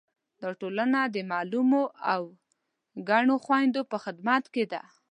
دا ټولنه د معلولو او کڼو خویندو په خدمت کې ده.